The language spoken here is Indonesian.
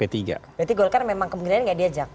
berarti golkar memang kemungkinan tidak diajak